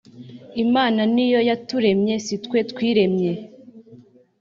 Imana ni yo yaturemye si twe twiremye